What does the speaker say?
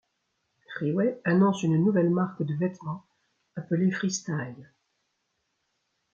Freeway annonce une nouvelle marque de vêtements appelée Freestyle.